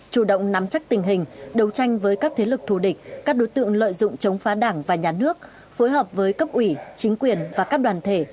chủ động nắm chắc tình hình đấu tranh với các thế lực thù địch các đối tượng lợi dụng chống phá đảng và nhà nước phối hợp với cấp ủy chính quyền và các đoàn thể